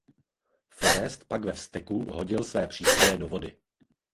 Forest pak ve vzteku hodil své přístroje do vody.